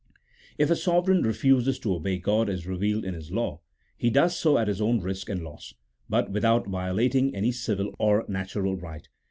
If a sovereign refuses to obey God as revealed in His law, he does so at his own risk and loss, but without vio lating any civil or natural right.